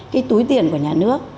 cái túi tiền của nhà nước